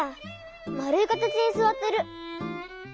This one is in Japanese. まるいかたちにすわってる。